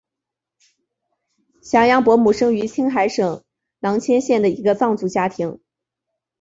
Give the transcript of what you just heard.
降央伯姆生于青海省囊谦县的一个藏族家庭。